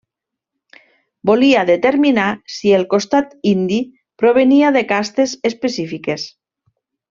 Volia determinar si el costat indi provenia de castes específiques.